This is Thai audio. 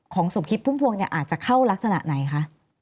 สมคิดพุ่มพวงเนี่ยอาจจะเข้ารักษณะไหนคะ